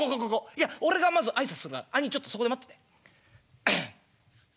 いや俺がまず挨拶するから兄ぃちょっとそこで待ってて」。